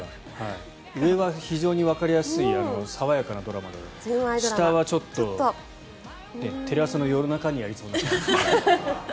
上は非常にわかりやすい爽やかなドラマで下はちょっとテレ朝の夜中に。